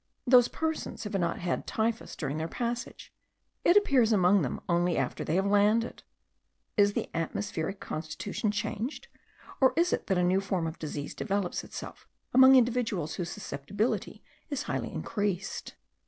Those persons have not had typhus during their passage; it appears among them only after they have landed. Is the atmospheric constitution changed? or is it that a new form of disease develops itself among individuals whose susceptibility is highly increased?